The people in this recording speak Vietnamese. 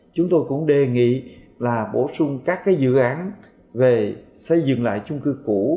chúng tôi cũng đề nghị là bổ sung các dự án về xây dựng lại chung cư cũ